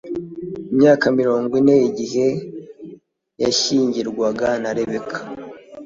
imyaka mirongo ine igihe yashyingiranwaga na rebeka